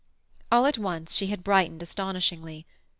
All at once she had brightened astonishingly.